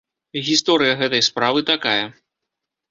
Гісторыя гэтай справы такая.